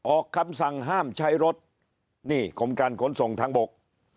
ออกคำสั่งห้ามใช้รถนี่กรมการขนส่งทางบก